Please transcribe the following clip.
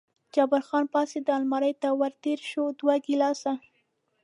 جبار خان پاڅېد، المارۍ ته ور تېر شو، دوه ګیلاسه.